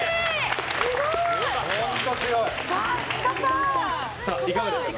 すごい！